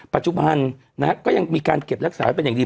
ปัจจุบันก็ยังมีการเก็บรักษาไว้เป็นอย่างดี